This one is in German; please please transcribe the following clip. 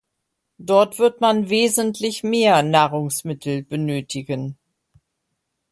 Dort wird man wesentlich mehr Nahrungsmittel benötigen.